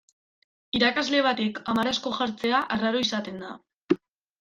Irakasle batek hamar asko jartzea arraro izaten da.